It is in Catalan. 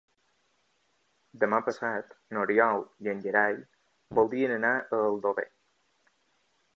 Demà passat n'Oriol i en Gerai voldrien anar a Aldover.